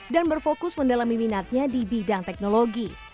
dan berfokus mendalami minatnya di bidang teknologi